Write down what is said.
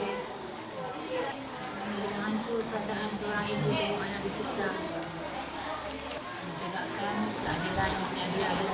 ini benar benar hancur perasaan seorang ibu yang mana disiksa